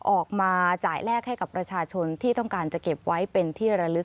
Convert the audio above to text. ออกมาจ่ายแลกให้กับประชาชนที่ต้องการจะเก็บไว้เป็นที่ระลึก